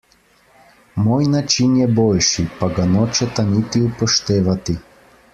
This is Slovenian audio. Moj način je boljši, pa ga nočeta niti upoštevati.